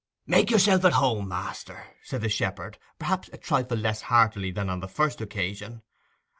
'Make yourself at home, master,' said the shepherd, perhaps a trifle less heartily than on the first occasion.